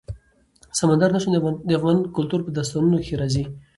سمندر نه شتون د افغان کلتور په داستانونو کې راځي.